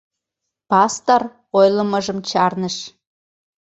Пастор ойлымыжым чарныш.